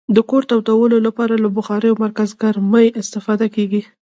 د کور تودولو لپاره له بخارۍ او مرکزګرمي استفاده کیږي.